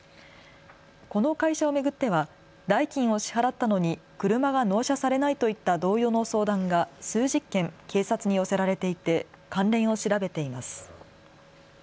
この会社を巡っては代金を支払ったのに車が納車されないといった同様の相談が数十件、警察に寄せられていて関連を調べています。